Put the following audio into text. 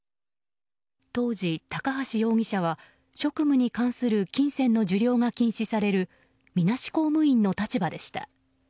当時、高橋容疑者は職務に関する金銭の受領が禁止されるみなし公務員の立場でした。